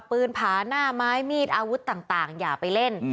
ผาหน้าไม้มีดอาวุธต่างอย่าไปเล่น